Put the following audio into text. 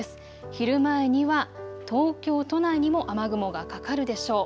昼前には東京都内にも雨雲がかかるでしょう。